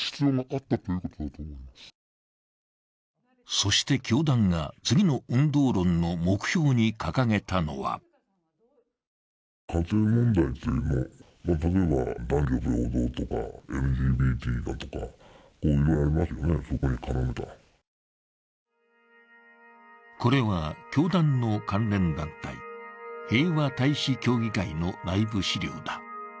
そして、教団が次の運動論の目標に掲げたのはこれは教団の関連団体、平和大使協議会の内部資料だ。